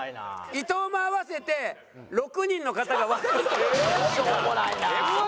伊藤も合わせて６人の方がワースト１。